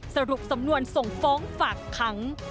สรุปสำนวนส่งฟ้องฝากขัง